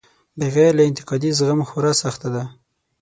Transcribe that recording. بغیر له انتقادي زغم خورا سخته ده.